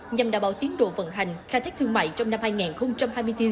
nhằm đảm bảo tiến độ vận hành khai thác thương mại trong năm hai nghìn hai mươi bốn